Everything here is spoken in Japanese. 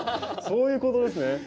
そういうことですね。